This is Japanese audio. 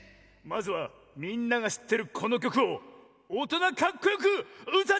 まずはみんながしってるこのきょくをおとなカッコよくうたっちゃうぜ！